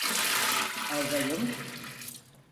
Albayım!